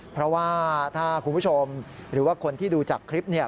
เพราะว่าถ้าคุณผู้ชมหรือว่าคนที่ดูจากคลิปเนี่ย